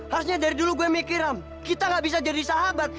harusnya dari dulu gue mikiran kita gak bisa jadi sahabat